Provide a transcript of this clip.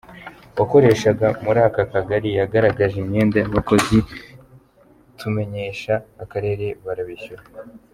Uwakoreshaga muri aka kagari yagaragaje imyenda y’abakozi tumenyesha akarere barabishyura.